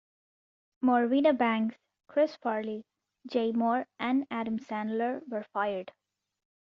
Morwenna Banks, Chris Farley, Jay Mohr, and Adam Sandler were fired.